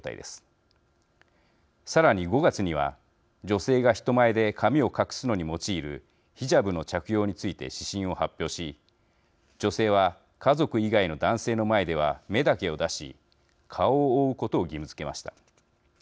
さらに５月には女性が人前で髪を隠すのに用いるヒジャブの着用について指針を発表し女性は家族以外の男性の前では目だけを出し顔を覆うことを義務づけました。